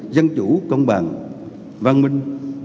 dân chủ công bằng vang minh